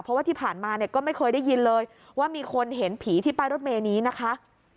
เพราะว่าที่ผ่านมาเนี่ยก็ไม่เคยได้ยินเลยว่ามีคนเห็นผีที่ป้ายรถเมย์นี้นะคะ